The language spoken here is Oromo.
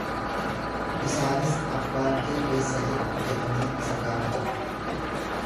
Isaanis, Abbaan kee eessa jira? jedhanii isa gaafatan.